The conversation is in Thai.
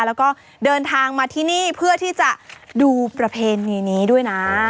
แล้วก็เดินทางมาที่นี่เพื่อที่จะดูประเพณีนี้ด้วยนะ